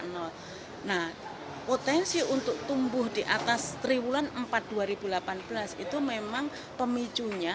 nah potensi untuk tumbuh di atas triwulan empat dua ribu delapan belas itu memang pemicunya